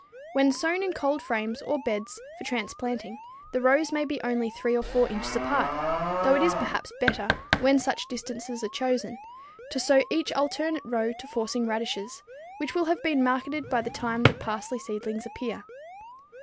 When sown in cold frames or beds for transplanting, the rows may be only 3 or 4 inches apart, though it is perhaps better, when such distances are chosen, to sow each alternate row to forcing radishes, which will have been marketed by the time the parsley seedlings appear.